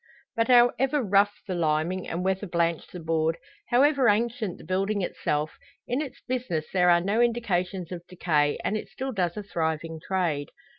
But however rough the limning, and weather blanched the board however ancient the building itself in its business there are no indications of decay, and it still does a thriving trade.